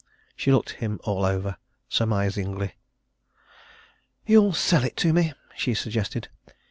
She looked him all over surmisingly. "You'll sell it to me?" she suggested.